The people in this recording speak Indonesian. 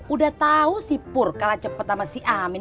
udah tau si pur kalah cepet sama si amin